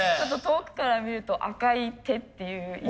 遠くから見ると赤い手っていう。